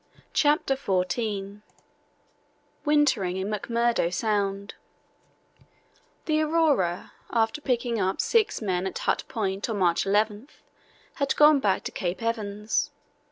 CHAPTER XIV WINTERING IN McMURDO SOUND The Aurora, after picking up six men at Hut Point on March 11, had gone back to Cape Evans.